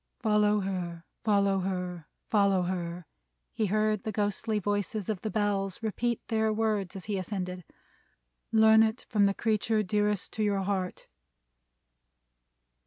"Follow her! Follow her! Follow her!" He heard the ghostly voices in the Bells repeat their words as he ascended. "Learn it, from the creature dearest to your heart!"